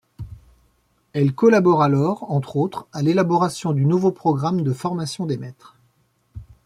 Elle collabore alors, entre autres, à l'élaboration du nouveau programme de formation des maîtres.